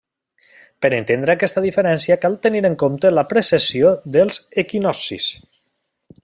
Per entendre aquesta diferència cal tenir en compte la precessió dels equinoccis.